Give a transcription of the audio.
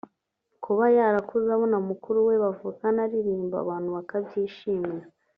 Kuba yarakuze abona mukuru we bavukana aririmba abantu bakabyishimira